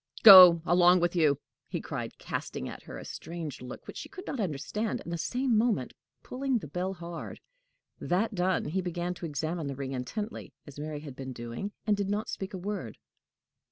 "Go along with you!" he cried, casting at her a strange look which she could not understand, and the same moment pulling the bell hard. That done, he began to examine the ring intently, as Mary had been doing, and did not speak a word.